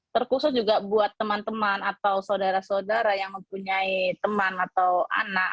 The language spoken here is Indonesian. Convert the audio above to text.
terkhusus juga buat teman teman atau saudara saudara yang mempunyai teman atau anak